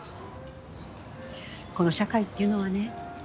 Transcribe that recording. この社会っていうのはね